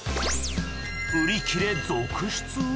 売り切れ続出！？